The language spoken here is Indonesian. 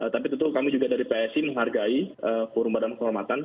tapi tentu kami juga dari psi menghargai forum badan kehormatan